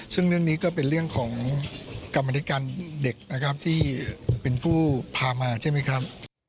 ซึ่งเรื่องนี้ก็เป็นเรื่องของกรรมธิการเด็กนะครับที่เป็นผู้พามาใช่ไหมครับ